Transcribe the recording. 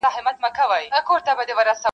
انډیوالۍ کي احسان څۀ ته وایي ,